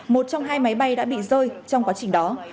một trong hai máy bay đã bị rơi trong quá trình đó